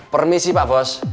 permisi pak bos